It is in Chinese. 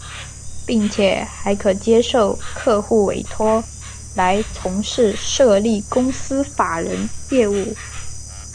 并且还可接受客户委托来从事设立公司法人业务。